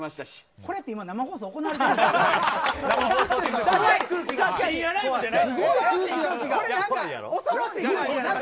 これって今生放送行われてるんですか？